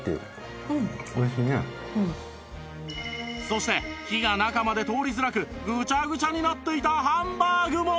そして火が中まで通りづらくグチャグチャになっていたハンバーグも